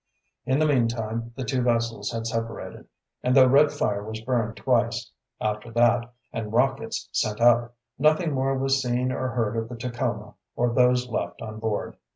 In the meantime the two vessels had separated, and though red fire was burned twice, after that, and rockets sent up, nothing more was seen or heard of the Tacoma or those left on board.